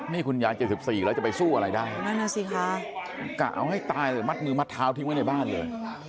นี่คุณยาย๗๔แล้วจะไปสู้อะไรได้นั่นน่ะสิคะกะเอาให้ตายเลยมัดมือมัดเท้าทิ้งไว้ในบ้านเลย